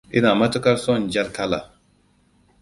Ina matukar son Jar kala.